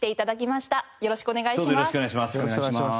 よろしくお願いします。